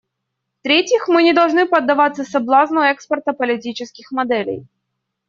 В-третьих, мы не должны поддаваться соблазну экспорта политических моделей.